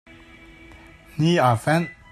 Hni aa fenh.